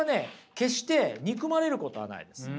決して憎まれることはないです。